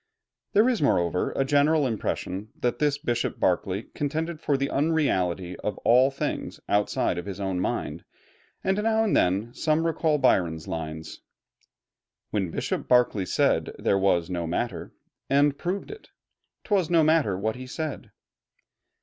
There is moreover a general impression that this Bishop Berkeley contended for the unreality of all things outside of his own mind, and now and then some recall Byron's lines "When Bishop Berkeley said 'there was no matter,' And proved it, 'twas no matter what he said."